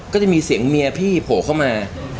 ก็จะมีเสียงเมียพี่โผล่เข้ามา